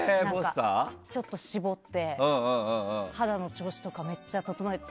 ちょっと絞って肌の調子とかめっちゃ整えて。